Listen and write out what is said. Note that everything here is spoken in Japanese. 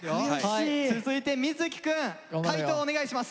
続いて瑞稀くん解答をお願いします。